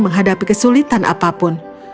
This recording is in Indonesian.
menghadapi kesulitan apapun